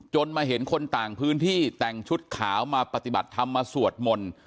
มาเห็นคนต่างพื้นที่แต่งชุดขาวมาปฏิบัติธรรมมาสวดมนต์